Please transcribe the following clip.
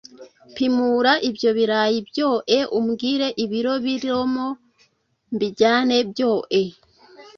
Pimura ibyobirayi byoe umbwire ibiro biromo mbijyane byoe